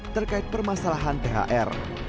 terkait permasalahan thr